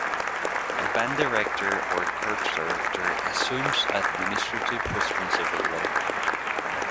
A band director or corps director assumes administrative responsibility.